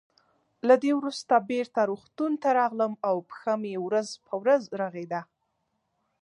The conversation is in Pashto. له دې وروسته بېرته روغتون ته راغلم او پښه مې ورځ په ورځ رغېده.